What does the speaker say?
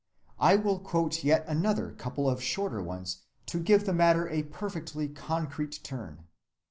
I will quote yet another couple of shorter ones to give the matter a perfectly concrete turn.